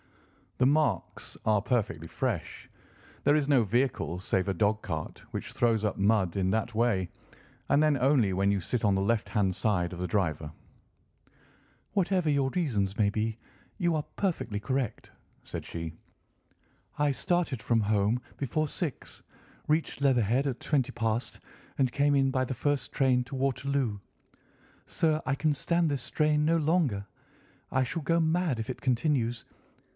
The marks are perfectly fresh. There is no vehicle save a dog cart which throws up mud in that way, and then only when you sit on the left hand side of the driver." "Whatever your reasons may be, you are perfectly correct," said she. "I started from home before six, reached Leatherhead at twenty past, and came in by the first train to Waterloo. Sir, I can stand this strain no longer; I shall go mad if it continues.